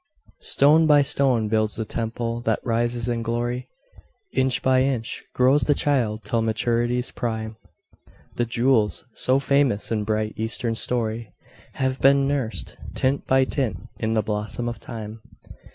Stone by stone builds the temple that rises in glory, Inch by inch grows the child till maturity's prime; The jewels so famous in bright, Eastern story Have been nursed, tint by tint, in the blossom of Time.